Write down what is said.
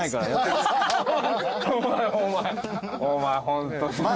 お前ホント。